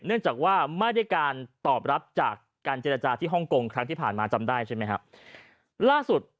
เนื่องจากว่าไม่ได้การตอบรับจากการเจรจาที่ฮ่องกงครั้งที่ผ่านมาจำได้ใช่ไหมครับล่าสุด